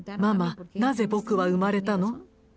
「ママなぜ僕は生まれたの？